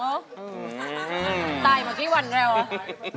อืมตายมากี่วันแล้วหรอ